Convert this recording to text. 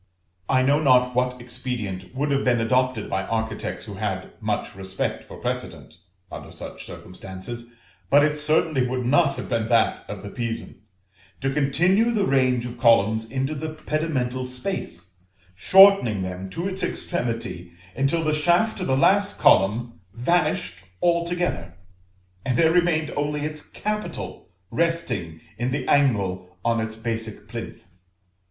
I know not what expedient would have been adopted by architects who had much respect for precedent, under such circumstances, but it certainly would not have been that of the Pisan, to continue the range of columns into the pedimental space, shortening them to its extremity until the shaft of the last column vanished altogether, and there remained only its capital resting in the angle on its basic plinth.